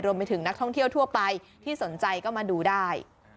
ไปถึงนักท่องเที่ยวทั่วไปที่สนใจก็มาดูได้